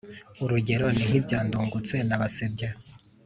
urugero ni nk' ibya ndungutse na basebya